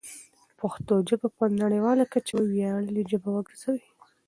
پښتو ژبه په نړیواله کچه یوه ویاړلې ژبه وګرځوئ.